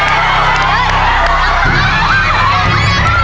หละนี่